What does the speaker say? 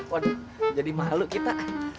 waduh jadi malu kita